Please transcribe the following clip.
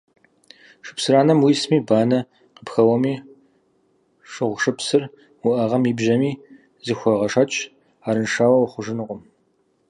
- Шыпсыранэм уисми, банэ къыпхэуэми, шыгъушыпсыр уӏэгъэм ибжьэми, зыхуэгъэшэч, арыншауэ ухъужынукъым.